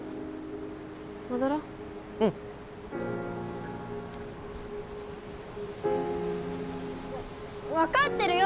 戻ろううん分かってるよ